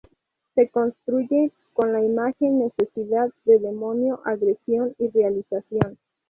Se construye con la imagen necesidad de dominio, agresión y realización.